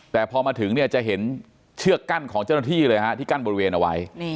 แต่พอมาถึงเนี่ยจะเห็นเชือกกั้นของเจ้าหน้าที่เลยฮะที่กั้นบริเวณเอาไว้